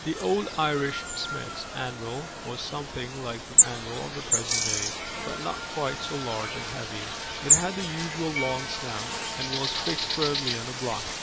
The old Irish smith's anvil was something like the anvil of the present day, but not quite so large and heavy: it had the usual long snout, and was fixed firmly on a block.